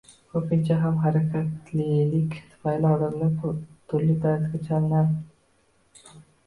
Ko‘pincha kam harakatlilik tufayli odamlar turli dardga chalinadi